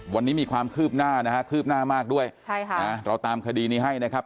วันนี้มีความคืบหน้านะฮะคืบหน้ามากด้วยใช่ค่ะนะเราตามคดีนี้ให้นะครับ